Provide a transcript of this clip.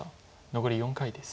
残り４回です。